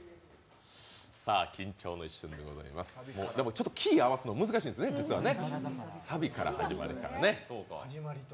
ちょっとキーを合わすのが実は難しいんですね、サビから始まるからね。